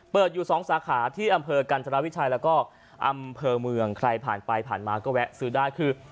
อยู่สองสาขาที่อำเภอกันธรวิชัยแล้วก็อำเภอเมืองใครผ่านไปผ่านมาก็แวะซื้อได้คือ